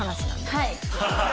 はい。